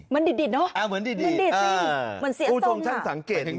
มันดีเนอะมันดีจริงมันเสียส้มน่ะคุณผู้ชมช่างสังเกตจริง